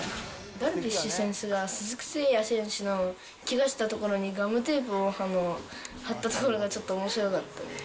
ダルビッシュ選手が鈴木誠也選手のけがしたところにガムテープを貼ったところがちょっとおもしろかったです。